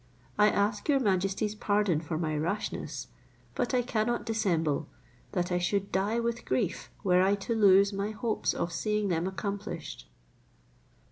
I ask your majesty's pardon for my rashness, but I cannot dissemble, that I should die with grief were I to lose my hopes of seeing them accomplished."